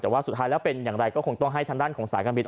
แต่ว่าสุดท้ายแล้วเป็นอย่างไรก็คงต้องให้ทางด้านของสายการบิน